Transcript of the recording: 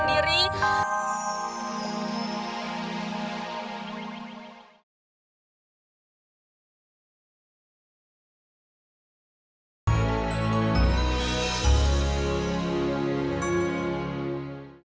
sama diri gue sendiri